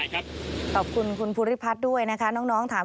ขอบคุณคุณผู้ฤภัทธ์ด้วยนะครับ